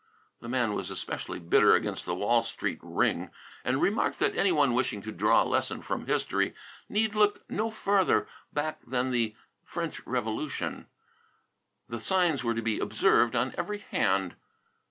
The man was especially bitter against the Wall Street ring, and remarked that any one wishing to draw a lesson from history need look no farther back than the French Revolution. The signs were to be observed on every hand.